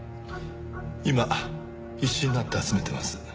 今必死になって集めてます。